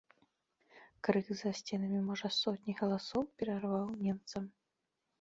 Крык за сценамі можа сотні галасоў перарваў немца.